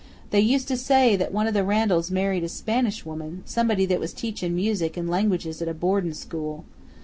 They used to say that one o' the Randalls married a Spanish woman, somebody that was teachin' music and languages at a boardin' school.